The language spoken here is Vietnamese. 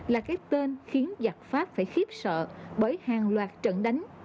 là cái tên khiến giặc pháp phải khiếp sợ bởi hàng loạt trận đánh